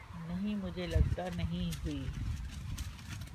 نہیں مجھےلگتا ہے نہیں ہوئی